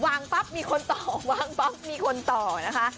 ปั๊บมีคนต่อวางปั๊บมีคนต่อนะคะ